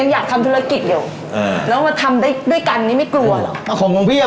เอาเอาอะไรนึกจับต้องนึกใช้